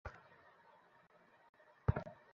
Please মাথা নড়াবেন না।